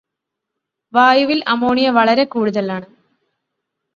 വായുവില് ammonia വളരെ കൂടുതലാണ്